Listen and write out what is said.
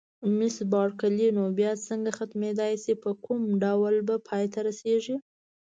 مس بارکلي: نو بیا څنګه ختمېدای شي، په کوم ډول به پای ته رسېږي؟